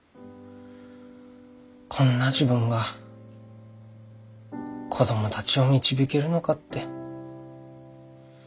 こんな自分が子供たちを導けるのかって。